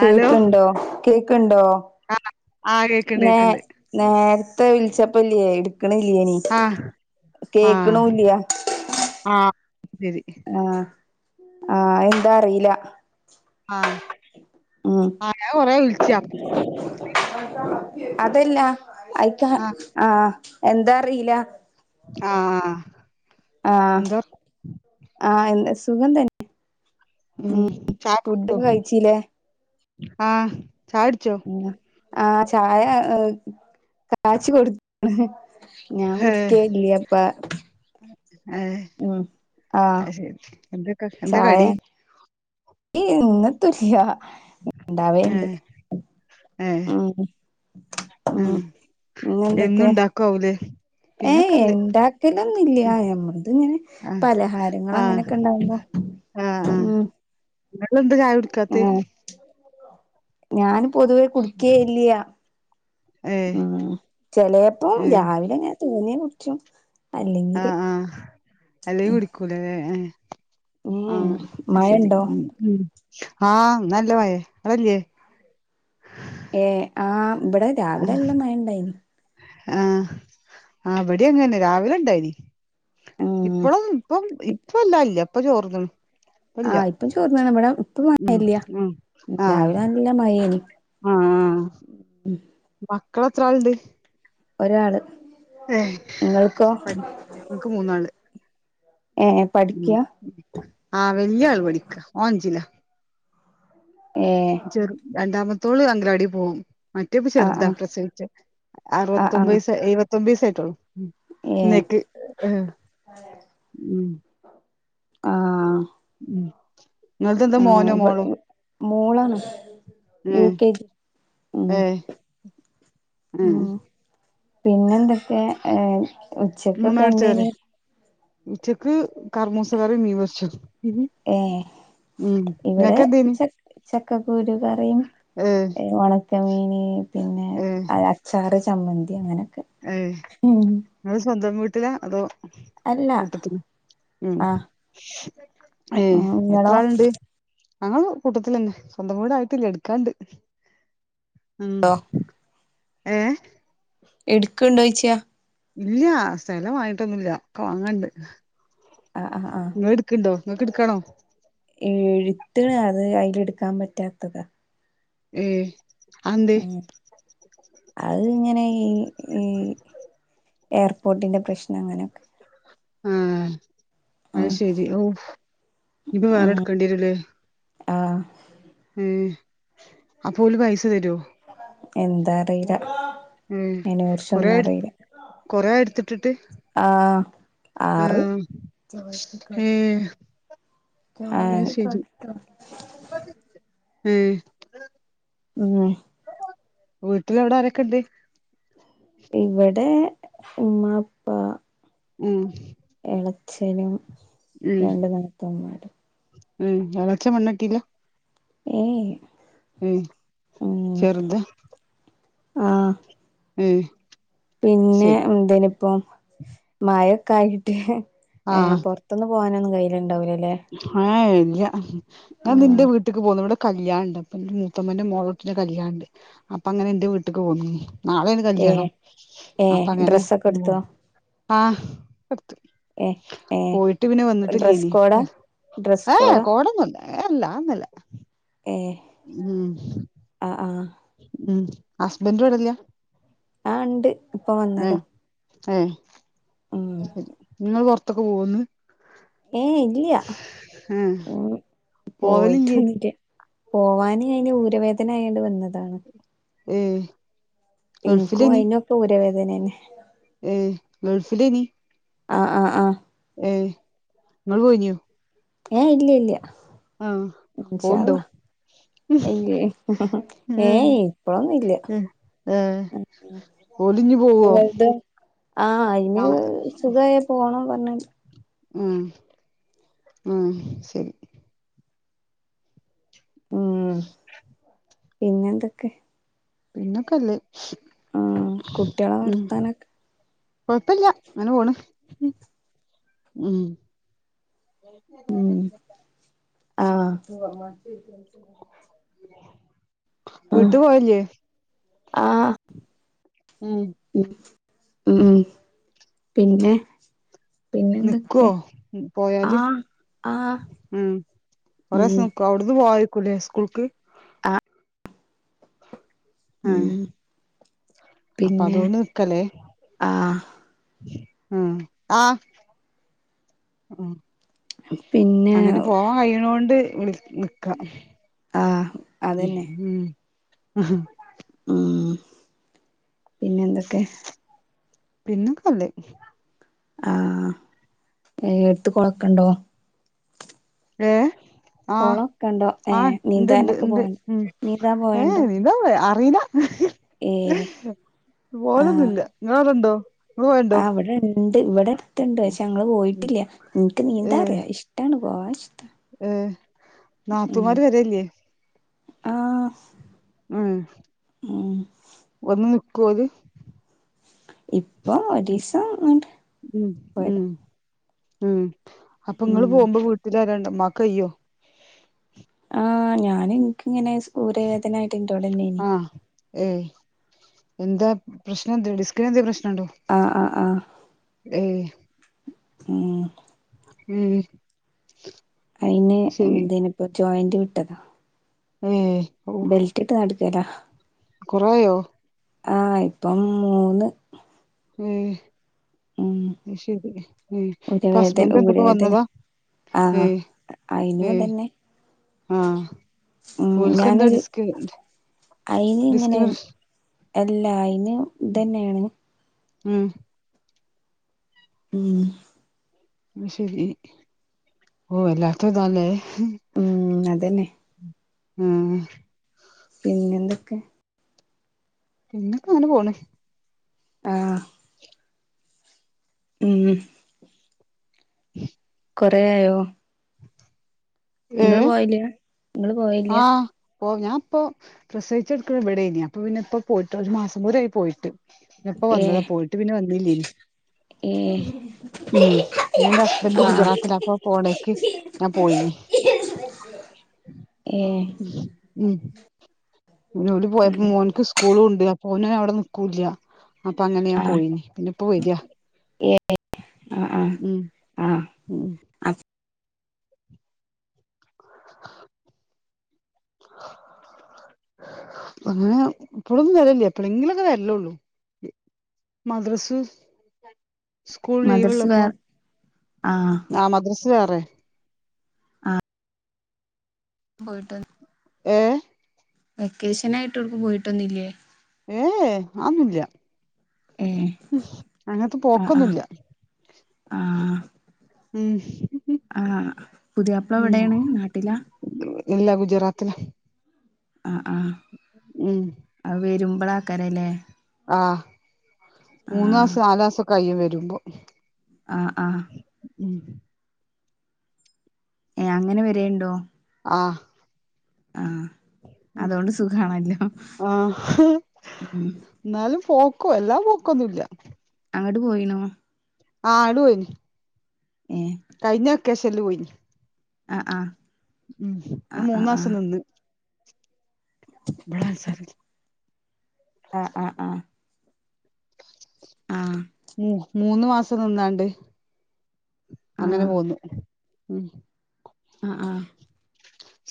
Hello കേക്കണ്ടോ കേക്കുണ്ടോ ആ ആ കേക്ക്ണ്ട് നേ കേക്ക്ണ്ട് നേരത്തെ വിളിച്ചപ്പല്ലിയ കേക്കണല്ലയനി ആ ആ കേക്കണ ഇല്ലയ ആ ശരി ആ എന്താ അറിയില്ല ആ ഉം ആ ഞാൻ കൊറെ വിളിച്ച് അതല്ല അയിക്ക ആ എന്താ അറിയില്ല ആ ആ ആ എന്താ ആ എന്താ സുഖം തന്നെ ഉം ചായ ഫൂഡ് കുടിച്ചോ കഴിച്ചിയില്ലോ ആ ചായകുടിച്ചോ ആ ചായ കച്ചി കൊടുത്താണ് ഞാൻ ഉടുക്കേ ഇല്ല അപ്പ അ അത് ശെരി എന്തൊക്കെ എന്താ കടി ഇന്നത്തൂല്ല ഏ ഇണ്ടാവേണ്ടേ ഏ ഉം ഉം എന്നും ഇങ്ങെന്തൊക്കെ ഉണ്ടാക്കാവൂലേ ഏയ് പിന്നൊക്കെല്ലേ ഇണ്ടാക്കലൊന്നും ഇല്ല ഞമ്മളിത് ഇങ്ങനെ ആ പലഹാരങ്ങൾ ആ അങ്ങനൊക്കെ ഇണ്ടാവുമ്പോ ഉം നിങ്ങള് എന്താ ചായ കുടിക്കാത്തെ ആഹ് ഞാൻ പൊതുവേ കുടിക്കേ ഇല്ല്യ ഏ ആഹ് ചെലേപ്പം ഏ രാവിലെ ഇങ്ങനെ തോന്നിയാ കുടിച്ചും അല്ലെങ്കില് ആഹ് ആഹ് അല്ലേ കുടിക്കൂലല്ലേ ഏഹ് ഉം ആഹ് ശരി മഴണ്ടോ ഉം ഉം ആഹ് ഇന്ന് നല്ല മയയാ [unintelligible] ഏയ് ആഹ് ഇവിടെ രാവിലെ നല്ല മഴയുണ്ടായിനി ആഹ് അവിടെയും അങ്ങനെ രാവിലെ ഉണ്ടായിനി ഉം ഇപ്പളും ഇപ്പം ഇപ്പവില്ല ഇല്ല ഇപ്പൊ ചോർന്നുണു ആഹ് ഇപ്പൊ ചോർന്നാണ് ഇവിടെ ഇപ്പം ഉം മഴയില്ല ഉം ആഹ് രാവിലെ നല്ല മഴേയേനി ആഹ് മക്കളെത്രാളുണ്ട് ഒരാള് ഇങ്ങൾക്കോ ഏഹ് പഠി നിക്ക് മൂന്നാള് ഏഹ് ഉം പഠിക്ക ആഹ് വല്യാള് പടിക്കാ ഓൻ അഞ്ചിലാ ഏഹ് ചെറു രണ്ടാമത്തോള് അംഗനവാടി പോവും മറ്റേപ്പം ആഹ് ചെറുതാ ആഹ് പ്രസവിച്ച് ആഹ് ആഹ് അറുത്തൊമ്പദിസം എഴുപത്തൊമ്പത് ദിവസ്സായിട്ടുള്ളു ഉം ഏഹ് ഇന്നേക്ക് ആഹ് ഉം ആാാാ മ്മ് നിങ്ങക്ക്‌ എന്താ മോനോ ഇവ മോളോ മോളാണ് ഉം യു കെ ജി ഏഹ് ആഹ് പിന്നെ എന്തൊക്കെ ആഹ് ഉച്ചക്കൊക്കെ ഇമ്മമ്മനോട് ചോറ് എന്തേനി ഉച്ചക്ക് കർമ്മുസകറി മീൻ പൊരിച്ചതും ഉം ഏഹ് ഉം നിങ്ങക്കെന്തേനി ചക്ക കുരു കറിയും ഏഹ് ഒണക്ക മീന് പിന്നെ അച്ചാറ് ചമ്മന്തി അങ്ങനെ ഏയ് നിങ്ങൾ സ്വന്തം വീട്ടിലാ അതോ അല്ല കൂട്ടത്തിൽ ഉം ആഹ് ഏഹ് എത്ര ഇങ്ങളോ ആളുണ്ട് ഞങ്ങള് കൂട്ടത്തില് തന്നെ സ്വന്തം വീട് ആയിട്ടില്ല എടുക്കാണ്ട് ഉം ഏഹ് എടുക്കുണ്ടോ ചോയിച്ചെയാ ഇല്ല സ്ഥലം വാങ്ങിട്ടൊന്നുമില്ല ഒക്കെ വാങ്ങണ്ട് ആഹ് ആഹ് ആഹ് നിങ്ങക്കെടുക്കാണോ എടുക്കാൻ പറ്റാത്തതാ ഉം ഉം അത് ഇങ്ങനെ ഈ ഈ എയർപോർട്ടിന്റെ പ്രശ്നം അങ്ങനെയൊക്കെ ആഹ് അത് ശെരി ഓ ഇപ്പം വേറെ ഉം എടുക്കേണ്ടി വരൂല്ലേ ആഹ് അപ്പോ ഓല് പൈസ തരുവോ എന്താ അറിയില്ല അതിനെ കുറിച്ചൊന്നും അറിയില്ല കൊറെഎടുത്തിട്ടിട്ട് ആഹ് ആറ് ജോയ്ക്ക് ഏ കട്ട ആ അത് ശെരി കട്ട ഉംമ് ഉം വീട്ടില് അവിടെ ആരൊക്കെണ്ട് ഇവിടെ ഉമ്മ ഉപ്പാ ഉം എളച്ചനും ഉം രണ്ടു നാത്തൂന്മാരും ഉം ഇളച്ചൻ വന്നട്ടില്ല ഏയ്യ് ഉ ചെറുതാ ആ ഉം പിന്നെ എന്തേനിപ്പൊ മഴൊക്കെ ആയിട്ട് ഏ പൊറത്തൊന്ന് പോകാനൊന്നും കയ്യലുണ്ടാവൂല്ല ആ ഇല്ല ഞാൻ ഇന്റെ ആഹ് വീട്ടിക്ക് പോന്ന്. ഇവിടെ കല്യാണണ്ട് അപ്പൊ മുത്തമ്മന്റെ മോളോട്ടിടെ കല്യാണണ്ട്. അപ്പൊ അങ്ങനെ എന്റെ വീട്ടിക്ക് പോന്ന് നാളേണ് ഏഹ് കല്യാണം. അപ്പ ഏഹ് അങ്ങനെ ഡ്രസ്സൊക്കെ എടുത്തോ ആ ഏഹ് ഏഹ് പോയിട്ട് പിന്നെ വന്നിട്ടില്ല ഡ്രസ് ഇനി കോഡാ ഡ്രസ് ഏയ് കോഡാ കോടൊന്നുല്ല അല്ലാ അതൊന്നല്ല ഏ ആ ആ ഉം ഹസ്ബൻഡ് ഇവിടല്ല ആ ഇണ്ട്. ഇപ്പൊ വന്നതാ ഹ ഉം നിങ്ങള് പുറത്ത്ക്ക് പോവോ ഇന്ന് ഏ ഇല്ല ഏഹ് ഉ പോവലില്ലേ പോയിട്ടൊന്നുല്ല പോവാന് അയിന് ഊരവേദന ആയൊണ്ട് വന്നതാണ് ഉം ഉം എനിക്കും അയിനൊപ്പം ഊര വേദനേന്നെ ഏ ലറഫെനി ആആ ആ ഏയ് നിങ്ങള് പോയിനു ഏയ് ഇല്ലല്ല ആഹ പോണ്ടോ ഇല്ല ഏയ് ഏഹ് ഇപ്പഴൊന്നും ഇല്ല ഓളിന്ന് പോവോ ആഹ് അയിന് ആഹ് സുഖയാ പോണംന്ന്‌പറഞ്ഞ ഉം ഉം ശരി ഉം പിന്നെ എന്തൊക്കെ പിന്നൊക്കെല്ലേ കുട്ട്യാളെ ഉം വർത്താനൊക്കെ കൊഴപ്പല്ല ഇങ്ങനെ പോണ് ഉം ആഹ് വീട്ടീ പോയില്ലേ ആ ഉം ഉം പിന്നെ നിക്കോ പിന്നെന്തൊക്കെ പോയാല് ആഹ് ആഹ് ഉം ഒരൂപരാഷ്യം നിക്കോ, അവിടന്ന്‌ പോവായിരികുല്ലേ സ്കൂൾക്ക് ആ ആഹ് ഊമ് അപ്പൊ അതൊണ്ട് നിക്കല്ലേ ആഹ് ആ..... ആ.... ഉ പിന്നെ അങ്ങനെ പോവാൻ കഴിയുനൊണ്ട് വിളി നിക്കാ ആ ഉ ഉ ഉ ഉ പിന്നെ എന്തൊക്കെ പിന്നൊക്കെ ല്ല് ആഹ ഏ എടുത്ത് കൊഴക്കണ്ടോ? ഏ ആഹ് കൊളൊക്കെണ്ടോ ആ ഏഹ് ണ്ട് ണ്ട് നീന്താനൊക്കെ ണ്ട് ഉ പോവണ്ടോ നീന്താൻ പോയണ്ടോ ഏ [inaudible] ഏഹ് പോലൊന്നുല്ല ഇങ്ങളടെണ്ടോ? ആ അവിടെണ്ട് ഇവിടെ അടുത്തണ്ട് പക്ഷെ ഞങ്ങള് പോയിട്ടില്ല. ന്ക്ക് നീന്താ അറിയാം ഇഷ്ടമാണ്. [inaudible] ഈ നാത്തൂമാര് വരെല്ലേ ആ ഉം വന്ന് നിക്കോ ഓല് ഇപ്പൊ ഉ ഒരീസം അങ്ങട്ട് ഉം പോയതാ ഉം ഉം അപ്പൊ ഇങ്ങള് ഉം പോകുമ്പോ വീട്ടിലാരണ്ടവാ മ്മക്ക് കയ്യോ ആ ഞാൻ ൻക്ക്ങ്ങനെ ഊ രവേദനായിട്ട് ഇൻ്റോ ടെന്നെനി ആഹ് ഏയ് എന്താ പ്രശ്നം എന്തെങ്കിലും ഡിസ്ക് എന്തേലും പ്രശ് നണ്ടോ? ആഹ് ആഹ് ആഹ് ഏഹ് ഉം ഉം അയിന് ശരി എന്തേനിപ്പോ ജോയിന്റ് വിട്ടതാ. അതെ ബെൽറ്റ് ഇട്ട് നടക്കേലാ കുറവായോ ആഹ് ഇപ്പം മൂന്ന് ഉം ശരി ഇപ്പൊ ഊരവേദന ഹസ്ബൻറ് ന്താപ്പോ ഊരവേദന വന്നതാ ആഹ് ഏഹ് അയിനു ഏഹ് അതന്നെ ആഹ് ഉം ഓൽക്കന്താ ഞാനൊരു ഡിസ്ക് ഡിസ് അയിന് ഇങ്ങനെ എല്ല അയിനു. ഇതെന്നെണ് ഉം ഉം അയ് ശരി വല്ലാത്തതാല്ലേ ന്നെ ആഹ് ക്കെ പിന്നക്കെങ്ങനെ പോണ് ആഹ് ഉം കൊറേ ആയോ ഏ ഇങ്ങള് പോയില്ല് ഇങ്ങള് പോവേല്ല ഓഹ് ഞാൻ ഇപ്പോ പ്രസവിച്ച്ട്ക്ക് ഇവിടെനി അപ്പൊ പിന്നെ ഇപ്പോ പോയിട്ട് ഒരു മാസം പോരും ആയി പോയിട്ട് ഇപ്പ വന്നതാ ഏഹ് പോയിട്ട് പിന്നെ വന്നില്ലേനി ഏഹ് ഉം പിന്നെൻ്റെ ഹസ്ബെൻ്റ് ആഹ് ഗുജറാത്തില അപ്പ പോണേക്ക് ഞാൻ പോയിനി [inaudible] ഉം ഓല് പോയപ്പോ മോൻക്ക് സ്കൂളുംണ്ട് അപ്പ് ഓന് അവടെ നിക്കൂല്ല അപ്പൊ അങ്ങനെ ഞാൻ ആഹ് പോയിനി പിന്നെപ്പ വെര ആ ആ ആ ഉം അ [inaudible] അങ്ങനെ പ്പളൊന്നും വെരല്ല എപ്പളെങ്കിലൊക്കെ വെരലൊള്ളു മദ്രസ് സ്കൂൾ മദർസ് വേ ലീവ്ള്ളപ്പോ ആഹ് ആ മദ്രസ് വേറെ ആ പോയിട്ട് ഏ വെക്കേഷനായിട്ടൊന്നും പോയിട്ടൊന്നുല്ല ഏ ഏ ആന്നൊല്ല ഏ ഉം അങ്ങൻത്തെ ആഹ് ആഹ് പോക്കൊന്നുല്ല ഉം ആ പുതിയാപ്പള ഉം എവിടെണ് നാട്ടിലാ ഇല്ല ഗുജറാത്തില ആ ആ ഉം അത് വെരുമ്പളേക്കാര ല്ലേ ആ മൂന്നാസം നാലാസൊക്കയ്യും വെരുമ്പോ ആ ആ ഉം അ അങ്ങനെ വരല്ണ്ടോ അ അതോണ്ട് സുഖാണല്ലോ ആ ഉം എന്നാലും പോക്കും എല്ലാം പോക്കൊന്നുമല്ല. അങ്ങോട്ട് പോയിനോ? ആ അടു [unintelligible] ഏ കൈയിഞ്ഞ വെക്കേഷനിൽ പോയിന്. ആഹ ആഹ [unintelligible] മൂന്ന മാസം നിന്ന്. [unintelligible] ആഹ് ആഹ ആഹ ആഹ മ മൂന്ന മാസം നിന്നാണ്ട് ആഹ് അങ്ങനെ പോന്നു. ഉം ആഹ ആഹ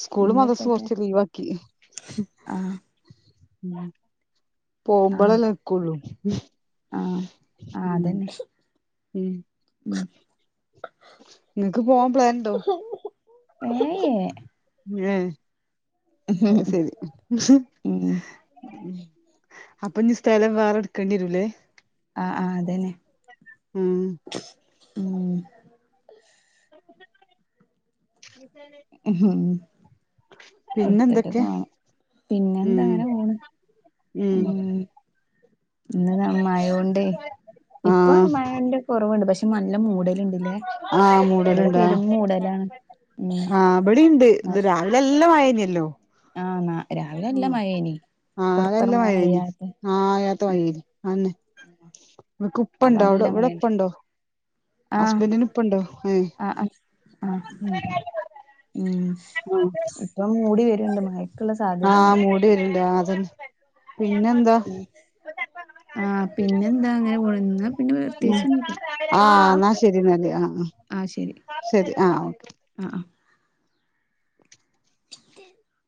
സ്കൂള് മദ്രസ കുറച്ച് ലീവാ ആക്കി. ആഹ് ഉ പോമ്പോളെല്ല നിക്കുള്ളൂ. ആഹ ആ ഉം അതന്നെ ഉം നിങ്ങക്ക് പോവാൻ പ്ലൻ ഉണ്ടോ? ഏ ഏ ഏ അത് ശരി. ഉം അപ്പൊ ഇനി സ്ഥലം വേറെ എടുക്കേണ്ടിരൂല്ലേ? ആ ആ് അതന്നെ. ഉം ഉം [unintelligible] ഉം പിന്നെന്തൊക്കെ? എടുത്തിട്ടൊക്കെ വേണം മ് പിന്നെന്താ അങ്ങനെ പോണ് മ് ഉം ഇന്ന് മഴോണ്ട് ഇപ്പണ് ആഹ് മഴന്റെ കുറവുണ്ട്. പക്ഷെ മ നല്ല മൂടലുണ്ടില്ലേ ആഹ് ഇവിടെ മൂടലുണ്ടാ പെരും മൂടലാണ് ഉം ആഹ് അവിടെയിണ്ട് ഇന്ന് രാവിലെ നല്ല മയ കഴിഞ്ഞ് ആഹ് ന രാവിലെ അല്ല മഴയാനി ആഹ് നല്ല മയ കഴിഞ്ഞ് ആ അടുത്ത ആ മയ അന്നെ [unintelligible] നിങ്ങക്ക് അപ്പ ഉപ്പ്ണ്ടോ അവിടെ നല്ല ഇവിടെ മഴണ്ട് ഉപ്പുണ്ടോ ആ ഹസ്ബൻറ്റിന് ഉപ്പ് ഇണ്ടോ ഏ- ആ ആ ആ ഉം ആഹ് ഇപ്പം മൂടി വരുണ്ട് മഴക്കുള്ള സാധ്യത ആഹ ഉണ്ട് മൂടി വരുണുണ്ട് അത് തന്നെ പിന്നെ എന്തുവാ ഉം ആഹ് പിന്നെ എന്താ ഇങ്ങനെ പോണ് എന്നാ പിന്നെ ഉം പ്രത്യേകിച്ച് ഒന്നുംയില്ല ആഹ് എന്നാ ശരി എന്നാല്ല് ആ ആഹ് ശരി ശരി ആഹ് ഒക്കെ ആഹ് ആഹ് [inaudible]